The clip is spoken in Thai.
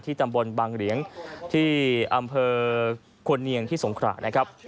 ตำบลบางเหรียงที่อำเภอควรเนียงที่สงขรานะครับ